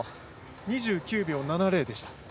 ２９秒７０でした。